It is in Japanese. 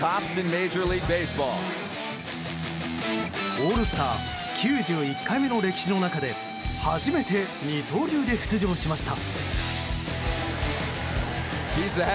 オールスター９１回目の歴史の中で初めて二刀流で出場しました。